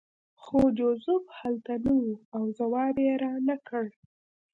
خو جوزف هلته نه و او ځواب یې رانکړ